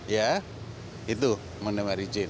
ya itu menemani meri jane